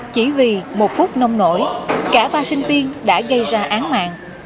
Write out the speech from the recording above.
chỉ vì một phút nông nổi cả ba sinh viên đã gây ra án mạng